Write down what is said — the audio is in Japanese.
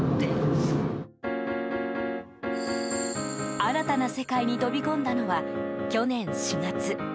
新たな世界に飛び込んだのは去年４月。